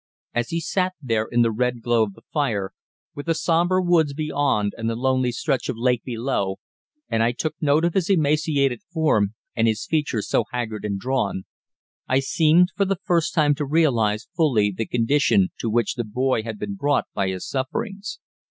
As he sat there in the red glow of the fire, with the sombre woods beyond and the lonely stretch of lake below, and I took note of his emaciated form and his features so haggard and drawn, I seemed for the first time to realise fully the condition to which the boy had been brought by his sufferings.